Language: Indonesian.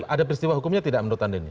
ada peristiwa hukumnya tidak menurut anda ini